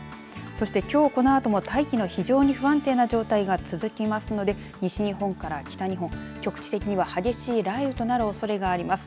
そして、きょうこのあとも大気の非常に不安定な状態が続きますので西日本から北日本局地的には激しい雷雨となるおそれがあります。